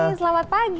iya selamat pagi